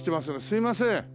すいません。